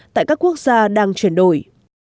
tại các quốc gia đang chuyển đổi